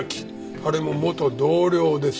あれも元同僚です。